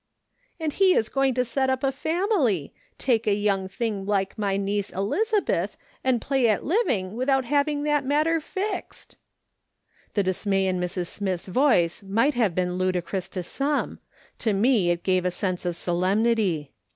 " And he is going to set up a family — take a young thing like my niece Elizabeth, and play at living without having that matter fixed." The dismay in Mrs. Smith's voice miglit have been ludicrous to some, to me it gave a sense of solemnity.